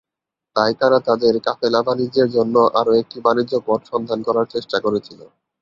তাই তারা তাদের কাফেলা বাণিজ্যের জন্য আরও একটি বাণিজ্য পথ সন্ধান করার চেষ্টা করেছিল।